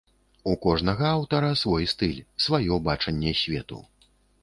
У кожнага аўтара свой стыль, сваё бачанне свету.